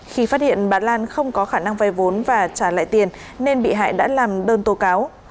khi phát hiện bà lan không có khả năng vay vốn và trả lại tiền nên bị hại đã làm đơn tố cáo